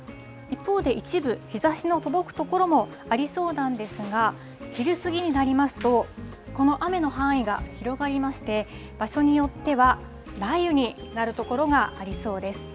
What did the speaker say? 一方で、一部、日ざしの届く所もありそうなんですが、昼過ぎになりますと、この雨の範囲が広がりまして、場所によっては雷雨になる所がありそうです。